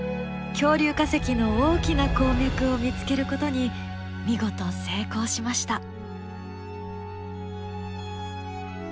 恐竜化石の大きな鉱脈を見つけることに見事成功しました！